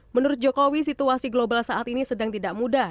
menurut jokowi situasi global saat ini sedang tidak mudah